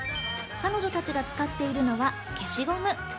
彼女たちが使っているのは消しゴム。